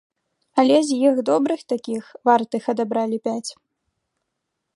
Але з іх добрых такіх, вартых адабралі пяць.